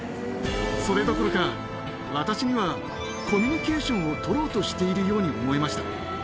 それどころか私にはコミュニケーションをとろうとしているように思えました。